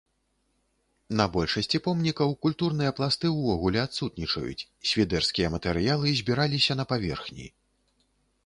На большасці помнікаў культурныя пласты ўвогуле адсутнічаюць, свідэрскія матэрыялы збіраліся на паверхні.